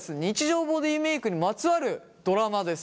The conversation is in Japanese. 日常ボディーメイクにまつわるドラマです。